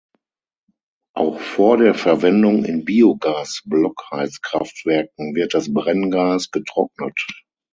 Auch vor der Verwendung in Biogas-Blockheizkraftwerken wird das Brenngas getrocknet.